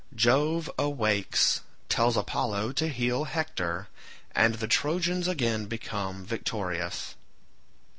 Jove awakes, tells Apollo to heal Hector, and the Trojans again become victorious.